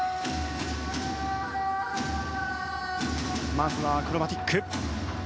まずはアクロバティック。